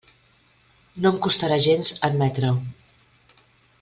No em costarà gens admetre-ho.